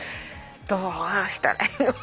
どうしたら。